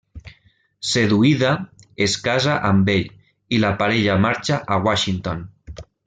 Seduïda, es casa amb ell i la parella marxa a Washington.